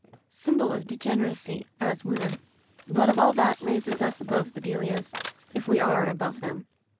Symbol of degeneracy, as women; but of all that raises us above the Delias, if we are above them."